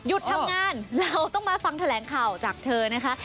ทำงานเราต้องมาฟังแถลงข่าวจากเธอนะคะ